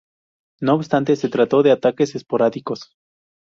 No obstante, se trató de ataques esporádicos.